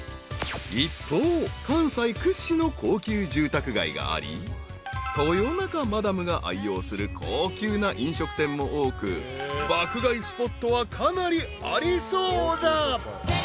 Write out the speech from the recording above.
［一方関西屈指の高級住宅街があり豊中マダムが愛用する高級な飲食店も多く爆買いスポットはかなりありそうだ］